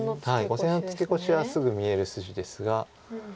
５線のツケコシはすぐ見える筋ですが。